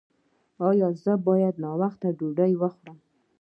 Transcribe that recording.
ایا زه باید ناوخته ډوډۍ وخورم؟